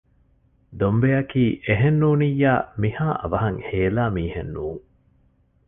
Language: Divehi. ދޮންބެއަކީ އެހެންނޫނިއްޔާ މިހާ އަވަހަށް ހޭލާ މީހެއް ނޫން